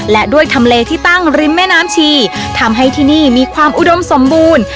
และด้วยทำเลที่ตั้งริมแม่น้ำชีทำให้ที่นี่มีความอุดมสมบูรณ์